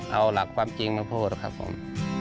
เอาหลักความจริงมาพูดครับผม